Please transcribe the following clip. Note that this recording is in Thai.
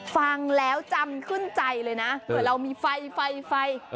ฟังแล้วจำขึ้นใจเลยนะเผื่อเรามีไฟไฟ